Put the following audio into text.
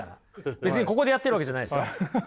別にここでやっているわけじゃないですから。